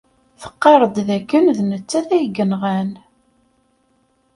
Tqarr-d dakken d nettat ay yenɣan.